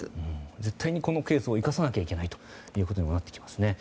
絶対にこのケースを生かさないといけないということになりますね。